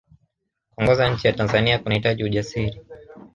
kuongoza nchi ya anzania kunahitaji ujasiri